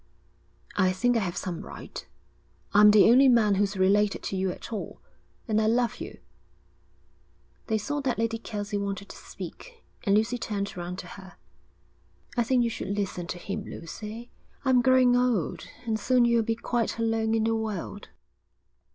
'I think I have some right. I'm the only man who's related to you at all, and I love you.' They saw that Lady Kelsey wanted to speak, and Lucy turned round to her. 'I think you should listen to him, Lucy. I'm growing old, and soon you'll be quite alone in the world.'